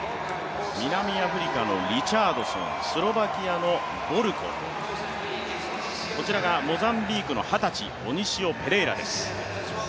南アフリカのリチャードソン、スロバキアのボルコ、こちらがモザンビークの二十歳オニシオ・ペレイラです。